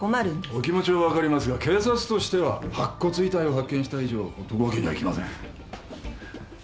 お気持ちは分かりますが警察としては白骨遺体を発見した以上放っとくわけにはいきません。